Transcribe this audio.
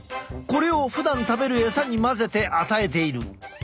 これをふだん食べる餌に混ぜて与えている。